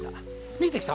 見えてきた？